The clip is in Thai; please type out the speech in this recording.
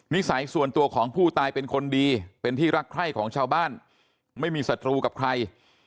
สัยส่วนตัวของผู้ตายเป็นคนดีเป็นที่รักใคร่ของชาวบ้านไม่มีศัตรูกับใคร